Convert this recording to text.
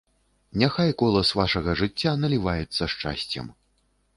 Няхай колас вашага жыцця наліваецца шчасцем.